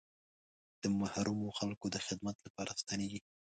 د محرومو خلکو د خدمت لپاره ستنېږي.